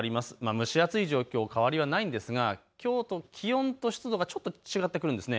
蒸し暑い状況、変わりはないんですがきょうと気温と湿度がちょっと違ってくるんです。